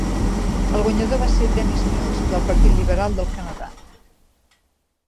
El guanyador va ser Dennis Mills, del Partit Liberal del Canadà.